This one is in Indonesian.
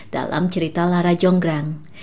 dalam cerita lara jonggrang